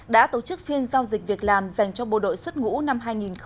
đã tổ chức phiên giao dịch việc làm dành cho bộ đội xuất ngũ năm hai nghìn hai mươi